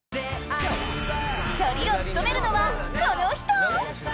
トリを務めるのはこの人！